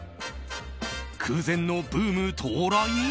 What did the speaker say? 空前のブーム到来？